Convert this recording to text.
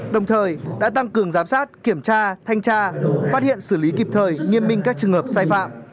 đồng thời đã tăng cường giám sát kiểm tra thanh tra phát hiện xử lý kịp thời nghiêm minh các trường hợp sai phạm